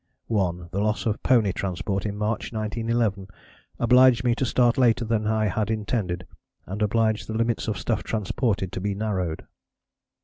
1. The loss of pony transport in March 1911 obliged me to start later than I had intended, and obliged the limits of stuff transported to be narrowed.